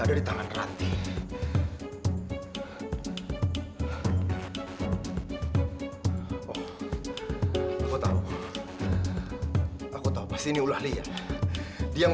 yos perlu obat semahal itu